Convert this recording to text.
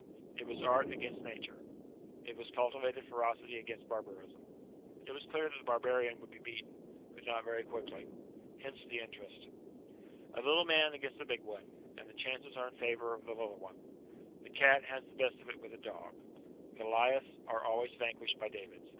It was art against nature. It was cultivated ferocity against barbarism. It was clear that the barbarian would be beaten, but not very quickly. Hence the interest. A little man against a big one, and the chances are in favour of the little one. The cat has the best of it with a dog. Goliaths are always vanquished by Davids.